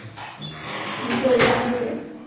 攀鲈亚目为辐鳍鱼纲攀鲈目的其中一个亚目。